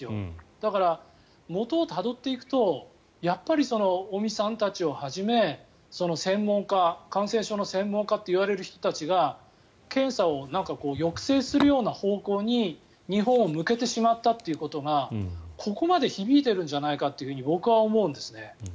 だから、元をたどっていくとやっぱり尾身さんたちをはじめ感染症の専門家といわれる人たちが検査を抑制するような方向に日本を向けてしまったということがここまで響いているんじゃないかって僕は思うんですね。